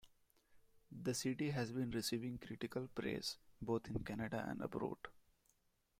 The CD has been receiving critical praise both in Canada and abroad.